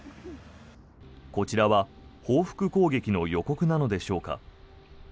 こちらは報復攻撃の予告なのでしょうか。